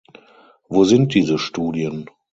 Wo sind diese Studien?